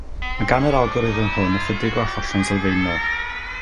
Mae gan yr algorithm hwn ychydig o achosion sylfaenol.